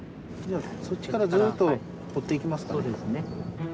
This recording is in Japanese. そっちから、ずーっと掘っていきますかね。